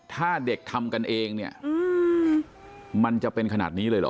ถ้าเด็กทำกันเองเนี่ยมันจะเป็นขนาดนี้เลยเหรอ